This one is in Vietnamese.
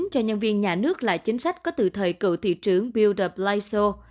cho nhân viên nhà nước là chính sách có từ thời cựu thị trưởng bill de blasio